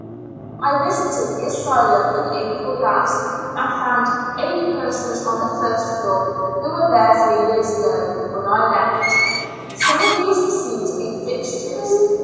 I visited the asylum in April last, and found eight persons on the first floor, who were there three years ago, when I left; some of these seem to be fixtures.